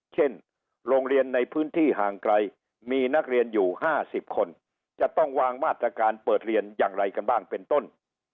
เช่นโรงเรียนในพื้นที่ห่างไกลมีนักเรียนอยู่๕๐คนจะต้องวางมาตรการเปิดเรียนอย่างไรกันบ้างเป็นต้น